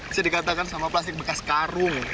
saya dikatakan sampah plastik bekas karung